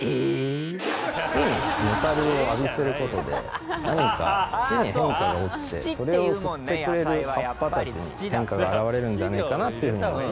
土にメタルを浴びせる事で何か土に変化が起きてそれを吸ってくれる葉っぱたちに変化が現れるんじゃないかなっていうふうに思ったんですよね。